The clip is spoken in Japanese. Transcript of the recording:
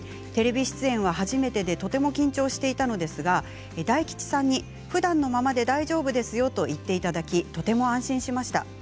テレビ出演は初めてでとても緊張していたのですが大吉さんに、ふだんのままで大丈夫ですよと言っていただきとても安心しました。